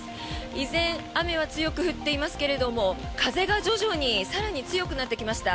依然、雨は強く降っていますけど風が徐々に更に強くなってきました。